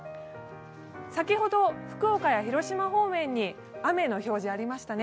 先ほど、福岡や広島方面に雨の表示ありましたね。